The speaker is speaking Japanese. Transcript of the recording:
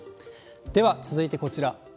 では、続いてこちら。